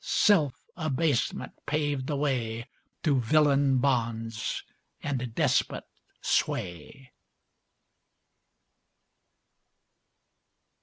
self abasement paved the way To villain bonds and despot sway.